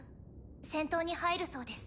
戦闘に入るそうです。